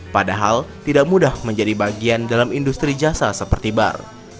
padahal tidak mudah menjadi bagian dalam industri jasa seperti bar